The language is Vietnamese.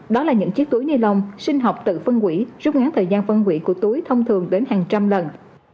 đó là những chiếc túi ni lông sinh học tự phân hủy rút ngắn thời gian phân quỷ của túi thông thường đến hàng trăm lần